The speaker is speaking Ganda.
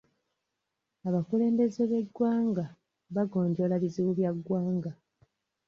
Abakulembeze b'eggwanga bagonjoola bizibu bya ggwanga.